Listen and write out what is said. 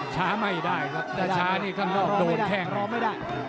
ช้าไม่ได้ครับหลัก